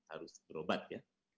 harus berobat ya